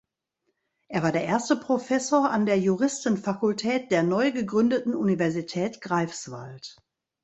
Er war der erste Professor an der Juristenfakultät der neu gegründeten Universität Greifswald.